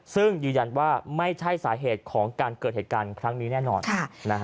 ซึ่งยืนยันว่าไม่ใช่สาเหตุของการเกิดเหตุการณ์ครั้งนี้แน่นอน